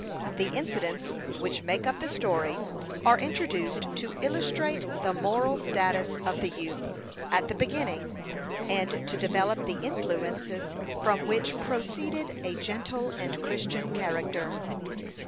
The incidents which make up the story are introduced to illustrate the moral status of the youth, at the beginning, and to develop the influences from which proceeded a gentle and Christian character.